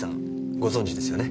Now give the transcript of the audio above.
ご存じですよね？